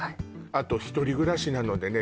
あと１人暮らしなのでね